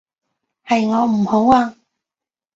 係我唔好啊